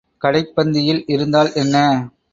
கடைப் பந்தியில் இருந்தால் என்ன?